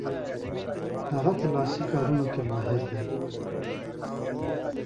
هغه په لاسي کارونو کې ماهر دی.